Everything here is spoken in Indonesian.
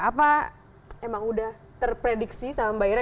apa emang udah terprediksi sama mbak ira